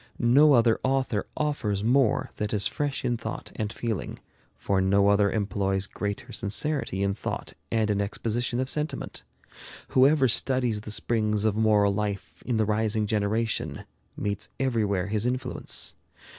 No other author offers more that is fresh in thought and feeling, for no other employs greater sincerity in thought and in exposition of sentiment. Whoever studies the springs of moral life in the rising generation, meets everywhere his influence.